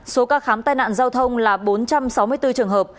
số ca khám tai nạn giao thông là bốn trăm sáu mươi bốn trường hợp